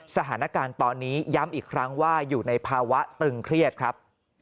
สถานการณ์ตอนนี้ย้ำอีกครั้งว่าอยู่ในภาวะตึงเครียดครับ